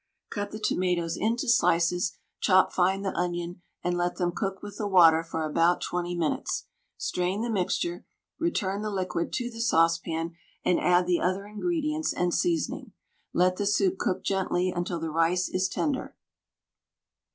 Cut the tomatoes into slices, chop fine the onion, and let them cook with the water for about 20 minutes. Strain the mixture, return the liquid to the saucepan, and add the other ingredients and seasoning. Let the soup cook gently until the rice is tender.